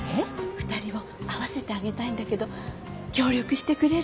２人を会わせてあげたいんだけど協力してくれる？